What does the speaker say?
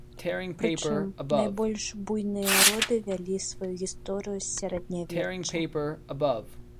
Прычым, найбольш буйныя роды вялі сваю гісторыю з сярэднявечча.